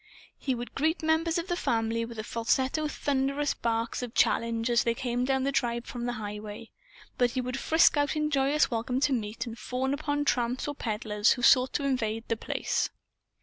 He would greet members of the family with falsetto thunderous barks of challenge as they came down the drive from the highway. But he would frisk out in joyous welcome to meet and fawn upon tramps or peddlers who sought to invade The Place.